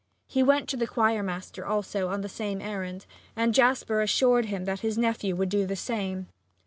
He went to the choir master also on the same errand, and Jasper assured him that his nephew would do the same.